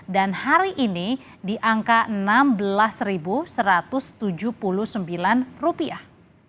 dan hari ini di angka enam belas satu ratus tujuh puluh sembilan rupiah